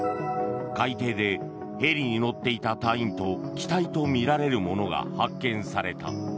海底で、ヘリに乗っていた隊員と機体とみられるものが発見された。